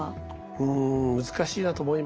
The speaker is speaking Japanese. うん難しいなと思いましたね。